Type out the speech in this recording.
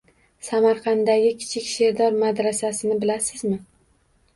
Samarqanddagi Kichik Sherdor madrasasini bilasizmi?